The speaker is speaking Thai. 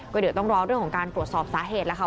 ก็เดี๋ยวต้องรอเรื่องของการตรวจสอบสาเหตุแล้วค่ะ